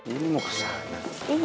ini mau kesana